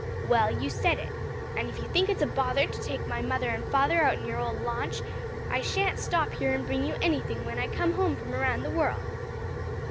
"Well, you said it. And if you think it's a bother to take my mother and father out on your old launch, I sha'n't stop here and bring you anything when I come home from around the world."